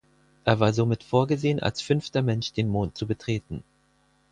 Er war somit vorgesehen, als fünfter Mensch den Mond zu betreten.